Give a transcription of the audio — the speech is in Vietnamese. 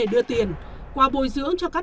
đưa tiền qua bồi dưỡng cho các